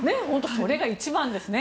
それが一番ですね。